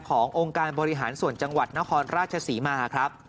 ขององค์การปฏิฉันส่วนจังหวัดนหราชสีมาครับ